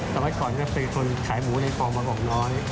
ตั้งแต่ก่อนก็เป็นคนขายหมูในคลองมะกอกน้อย